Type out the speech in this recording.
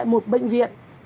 một bệnh viện